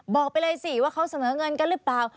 บอกไปเลยสิว่าเขาเสนอเงินกันหรือเปล่า